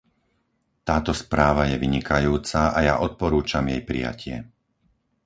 Táto správa je vynikajúca a ja odporúčam jej prijatie.